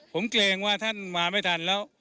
ผมเกรงว่าท่านมาไม่ทันแล้ว